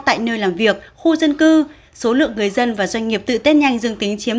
tại nơi làm việc khu dân cư số lượng người dân và doanh nghiệp tự tết nhanh dương tính chiếm